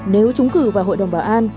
nếu trúng cử vào hội đồng bảo an